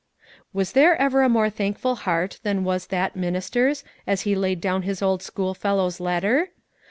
Was there ever a more thankful heart than was that minister's as he laid down his old schoolfellow's letter?